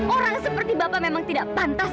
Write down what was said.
orang seperti bapak memang tidak pantas